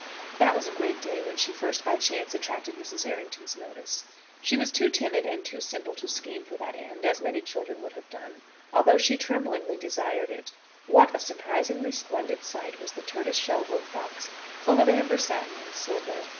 That was a great day when she first, by chance, attracted Mrs. Errington's notice. She was too timid and too simple to scheme for that end, as many children would have done, although she tremblingly desired it. What a surprisingly splendid sight was the tortoise shell work box, full of amber satin and silver!